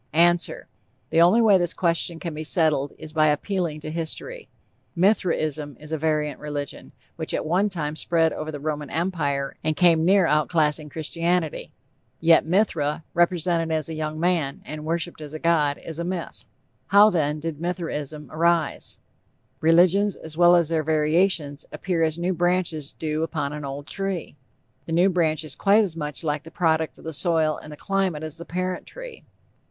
_) ANSWER: The only way this question can be settled is by appealing to history. Mithraism is a variant religion, which at one time spread over the Roman Empire and came near outclassing Christianity. Yet, Mithra, represented as a young man, and worshiped as a god, is a myth. How, then, did Mithraism arise? Religions, as well as their variations, appear as new branches do upon an old tree. The new branch is quite as much the product of the soil and climate as the parent tree.